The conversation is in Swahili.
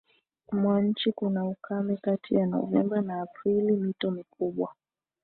mwa nchi kuna ukame kati ya Novemba na Aprili Mito mikubwa